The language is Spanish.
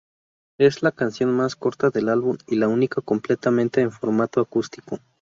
Es la canción más corta del álbum y la única completamente en formato acústico.